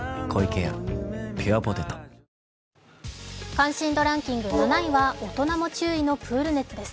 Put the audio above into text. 関心度ランキング７位は大人も注意なプール熱です。